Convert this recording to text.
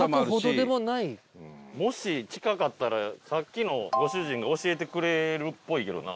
もし近かったらさっきのご主人が教えてくれるっぽいけどな。